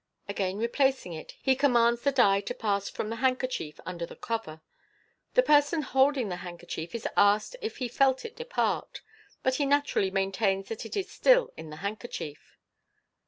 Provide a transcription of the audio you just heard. Again replacing it, he commands the die to pass from the handkerchief under the cover. The person holding the hand kerchief is asked if Le felt it de part, but he naturally maintains that it is still in the handkerchief.